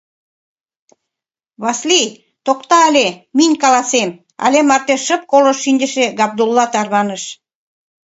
— Васлий, токта але, мин каласем, — але марте шып колышт шинчыше Габдулла тарваныш.